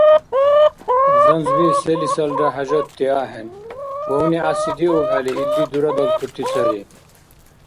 Занзби селисалра хӀяжатти ахӀен, вавни гӀясидиубхӀели илди дурадалтути сари.